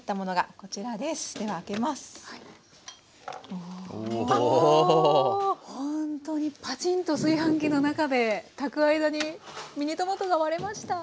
ほんとにパチンと炊飯器の中で炊く間にミニトマトが割れました。